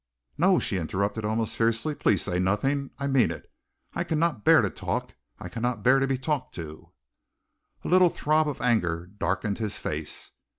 "No!" she interrupted, almost fiercely. "Please say nothing. I mean it. I cannot bear to talk! I cannot bear to be talked to!" A little throb of anger darkened his face.